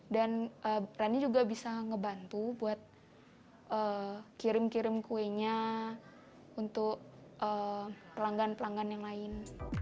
dan rani juga bisa membantu buat kirim kirim kuenya untuk pelanggan pelanggan yang lain